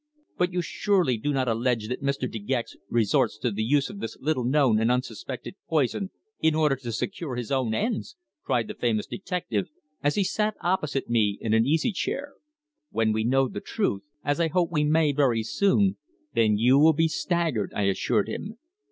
"But you surely do not allege that Mr. De Gex resorts to the use of this little known and unsuspected poison in order to secure his own ends!" cried the famous detective, as he sat opposite me in an easy chair. "When we know the truth as I hope we may very soon then you will be staggered," I assured him.